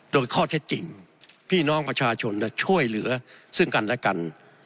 โดยข้อเท็จจริงพี่น้องประชาชนจะช่วยเหลือซึ่งกันและกัน